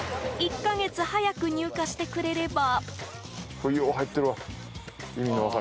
１か月早く入荷してくれれば。